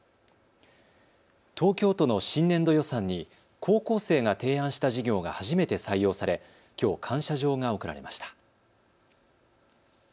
東京都の新年度予算に高校生が提案した事業が初めて採用され、きょう感謝状が贈られました。